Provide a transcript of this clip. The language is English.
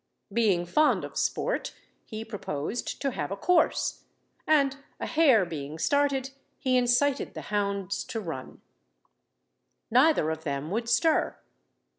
Being fond of sport, he proposed to have a course; and a hare being started, he incited the hounds to run. Neither of them would stir.